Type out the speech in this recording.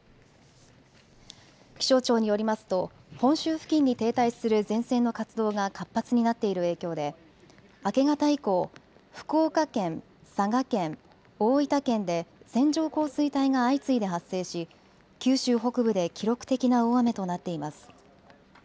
気象庁によりますと本州付近に停滞する前線の活動が活発になっている影響で明け方以降、福岡県、佐賀県、大分県で線状降水帯が相次いで発生し九州北部で記録的な大雨となっています。